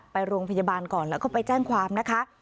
ไปโรงพยาบาลก่อนแล้วก็ไปแจ้งความนะคะ